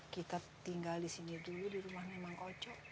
kita tinggal disini dulu di rumahnya emang ojo